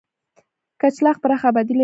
کچلاغ پراخه آبادي لري.